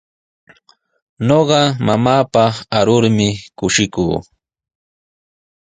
Ñuqa mamaapaq arurmi kushikuu.